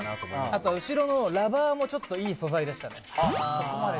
あと後ろのラバーもちょっといい素材でしたねああ・